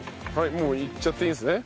もういっちゃっていいんですね？